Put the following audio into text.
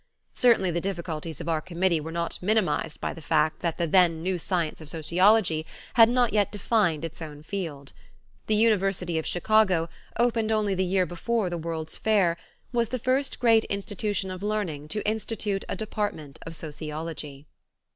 Certainly the difficulties of our committee were not minimized by the fact that the then new science of sociology had not yet defined its own field. The University of Chicago, opened only the year before the World's Fair, was the first great institution of learning to institute a department of sociology.